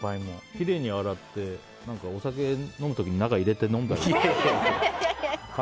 きれいに洗って、お酒飲む時に中に入れて飲んだり。